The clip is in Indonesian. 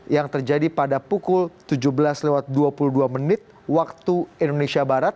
yang terjadi pada pukul tujuh belas lewat dua puluh dua menit waktu indonesia barat